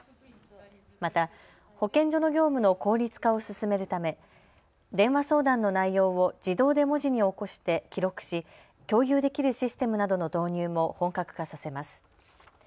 また保健所の業務の効率化を進めるため電話相談の内容を自動で文字に起こして記録し共有できるシステムなどの導入も本格化させます。